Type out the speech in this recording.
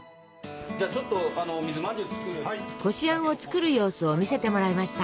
こしあんを作る様子を見せてもらいました。